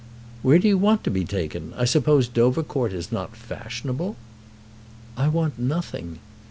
"Where do you want to be taken? I suppose Dovercourt is not fashionable." "I want nothing."